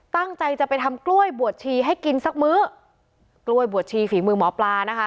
ตั้งใจจะไปทำกล้วยบวชชีให้กินสักมื้อกล้วยบวชชีฝีมือหมอปลานะคะ